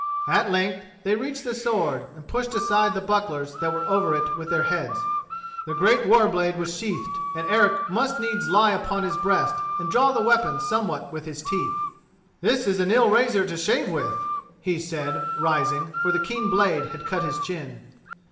At length they reached the sword, and pushed aside the bucklers that were over it with their heads. The great war blade was sheathed, and Eric must needs lie upon his breast and draw the weapon somewhat with his teeth. "This is an ill razor to shave with," he said, rising, for the keen blade had cut his chin.